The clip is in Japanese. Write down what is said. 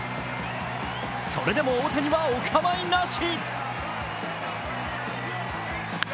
それでも大谷はお構いなし。